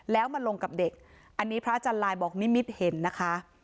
แล้วมาลงกับเด็กอันนี้พระอาจารย์ลายบอกนิมิตเห็นนะคะ